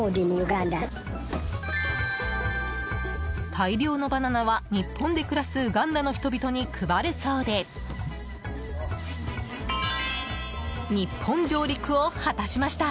大量のバナナは日本で暮らすウガンダの人々に配るそうで日本上陸を果たしました。